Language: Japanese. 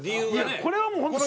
これはもう本当